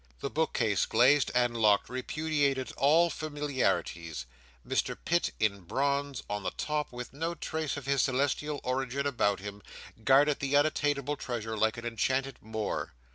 The bookcase, glazed and locked, repudiated all familiarities. Mr Pitt, in bronze, on the top, with no trace of his celestial origin about him, guarded the unattainable treasure like an enchanted Moor.